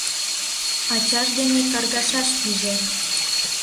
Ачаж дене каргашаш пиже: